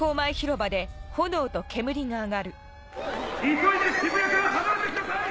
急いで渋谷から離れてください！